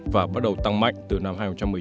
và bắt đầu tăng mạnh từ năm hai nghìn một mươi chín